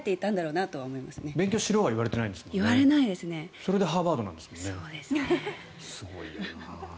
それでハーバードなんですもんねすごいよな。